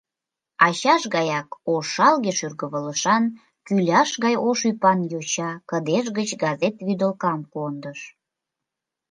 Ачаж гаяк ошалге шӱргывылышан, кӱляш гай ош ӱпан йоча кыдеж гыч газет вӱдылкам кондыш.